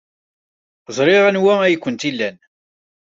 Ẓriɣ anwa ay kent-ilan.